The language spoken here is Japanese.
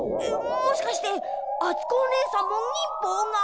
もしかしてあつこおねえさんも忍法が？